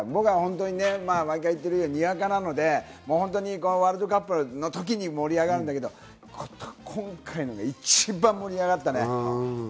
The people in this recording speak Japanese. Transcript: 僕は毎回言っているように、にわかなのでワールドカップのときに盛り上がるんだけど、今回のが一番盛り上がったね。